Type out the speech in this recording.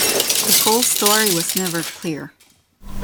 The full story was never clear.